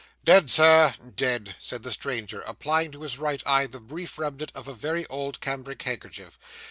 'Dead, sir dead,' said the stranger, applying to his right eye the brief remnant of a very old cambric handkerchief.